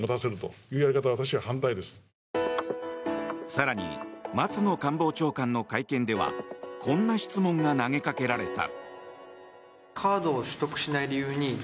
更に、松野官房長官の会見ではこんな質問が投げかけられた。